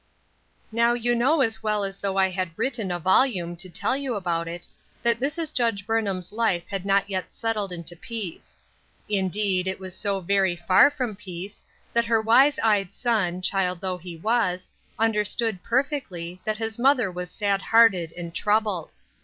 NOW you know as well as though I had written a volume to tell you about it, that Mrs. Judge Burnham's life had not yet settled into peace. Indeed, it was so very far from peace, that her wise eyed son, child though he was, understood, perfectly, that his mother was sad hearted and troubled.